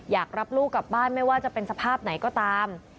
อยากรับลูกกลับบ้านไม่ว่าจะเป็นสภาพไหนก็ตาม